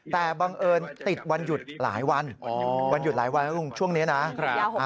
แต่บังเอิญติดวันหยุดหลายวันช่วงนี้นะ